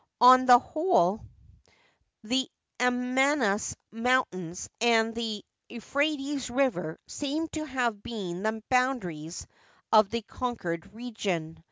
On the whole, the Amanus Mountains and the Euphrates River seem to have been the boundaries of the conquered region.